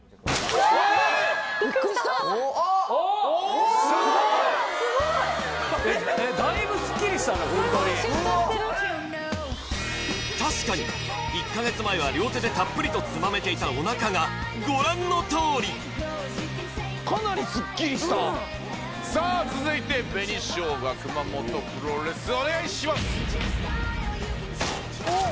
ホントにすごいシュッとしてる確かに１か月前は両手でたっぷりとつまめていたおなかがご覧のとおりかなりスッキリしたさあ続いて紅しょうが熊元プロレスお願いしますおっ！